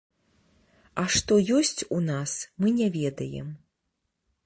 А што ёсць у нас, мы не ведаем.